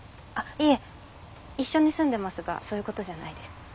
あっいえ一緒に住んでますがそういうことじゃないです。